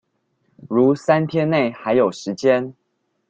如三天内還有時間